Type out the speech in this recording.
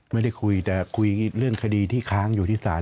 ไม่ได้คุยแต่คุยเรื่องคดีที่ค้างอยู่ที่ศาล